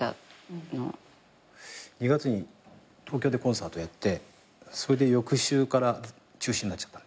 ２月に東京でコンサートやってそれで翌週から中止になった。